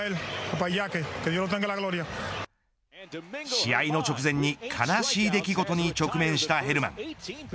試合の直前に悲しい出来事に直面したヘルマン。